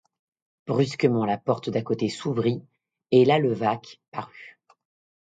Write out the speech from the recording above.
Brusquement, la porte d'à côté s'ouvrit, et la Levaque parut.